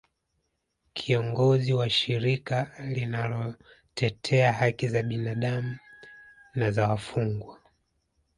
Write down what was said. kiongozi wa shirika linalotetea haki za binadamu na za wafungwa